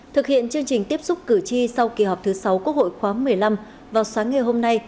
thực hiện chương trình tiếp xúc cử tri sau kỳ họp thứ sáu quốc hội khóa một mươi năm vào sáng ngày hôm nay